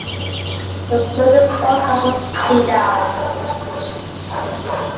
His clothing sponsor was Adidas.